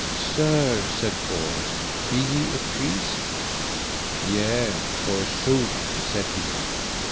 Sir, said Bors, be ye a priest? Yea forsooth, said he.